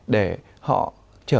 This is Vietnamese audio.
để họ trở về